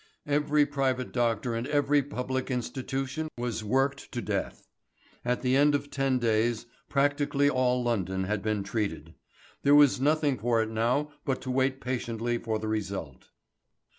Every private doctor and every public institution was worked to death. At the end of ten days practically all London had been treated. There was nothing for it now but to wait patiently for the result.